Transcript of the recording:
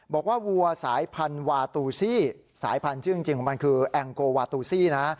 วัวสายพันธุ์วาตูซี่สายพันธุ์ชื่อจริงของมันคือแองโกวาตูซี่นะ